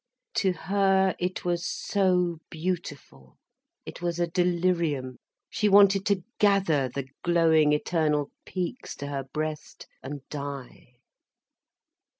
To her it was so beautiful, it was a delirium, she wanted to gather the glowing, eternal peaks to her breast, and die.